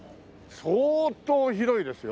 相当広いですよ。